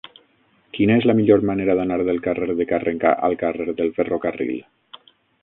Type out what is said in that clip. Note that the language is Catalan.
Quina és la millor manera d'anar del carrer de Carrencà al carrer del Ferrocarril?